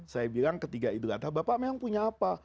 saya bilang ketiga idul adha bapak memang punya apa